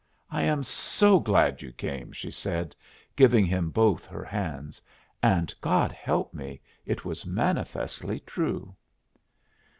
"I am so glad you came!" she said, giving him both her hands; and, God help me! it was manifestly true.